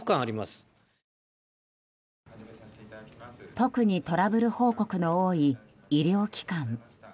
特にトラブル報告の多い医療機関。